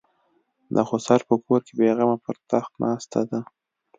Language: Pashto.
د خسر په کور بېغمه پر تخت ناسته ده.